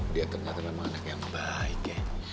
dia ternyata memang anak yang baik ya